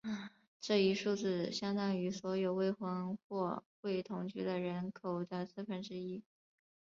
这一数字相当于所有未婚或未同居的人口的四分之一。